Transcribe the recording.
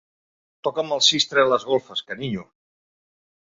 Toca'm el sistre a les golfes, carinyo.